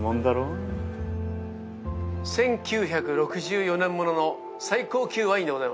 １９６４年ものの最高級ワインでございます。